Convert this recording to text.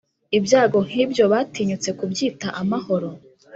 ibyago nk’ibyo batinyutse kubyita amahoro.